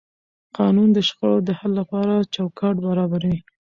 قانون د شخړو د حل لپاره چوکاټ برابروي.